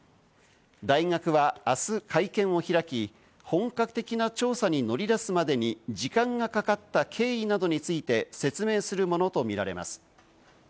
大学はあす会見を開き、本格的な調査に乗り出すまでに時間がかかった経緯などについて説明するものとみられます。